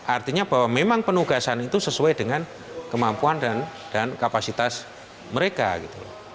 artinya bahwa memang penugasan itu sesuai dengan kemampuan dan kapasitas mereka gitu